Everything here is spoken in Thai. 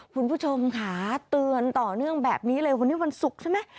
คุณผู้ชมค่ะเตือนต่อเนื่องแบบนี้เลยวันนี้วันศุกร์ใช่ไหม